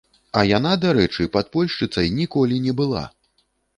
А яна, дарэчы, падпольшчыцай ніколі не была!